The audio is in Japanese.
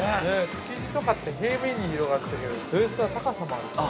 ◆築地とかって平面に広がってたけど、豊洲は高さもあるから。